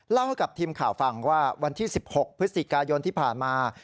เล่าให้กับทีมข่าวฟังว่าวันที่๑๖พฤศจิกายนที่ผ่านมา